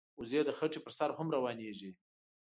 وزې د خټې پر سر هم روانېږي